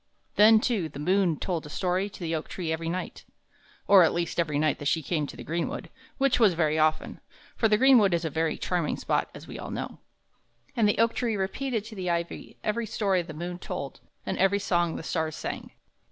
Then, too, the moon told a story to the oak tree every night, or at least every night that she came to the greenwood, which was very often, for the greenwood is a very charming spot, as we all know. And the oak tree repeated to the ivy every story the moon told and every song the stars sang.